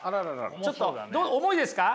ちょっとどう重いですか？